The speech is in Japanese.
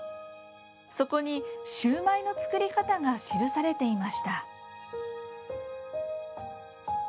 そこにシューマイの作り方が記されていました。